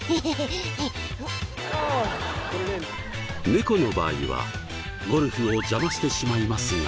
猫の場合はゴルフを邪魔してしまいますが。